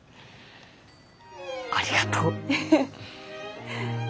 ありがとう。